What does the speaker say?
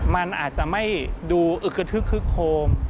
มันอาจจะไม่ดูอึกกระทึกคึกโคม